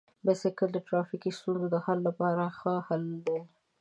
بایسکل د ټرافیکي ستونزو د حل لپاره ښه حل دی.